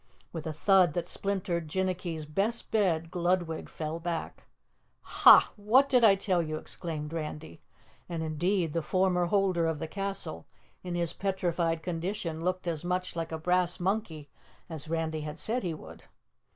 With a thud that splintered Jinnicky's best bed, Gludwig fell back. "Hah! What did I tell you?" exclaimed Randy, and indeed the former holder of the castle in his petrified condition looked as much like a brass monkey as Randy had said he would.